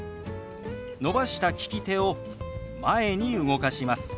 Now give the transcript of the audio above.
伸ばした利き手を前に動かします。